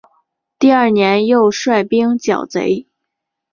第二年又率兵剿贼。